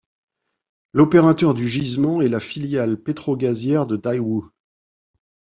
L'opérateur du gisement est la filiale pétrogazière de Daewoo.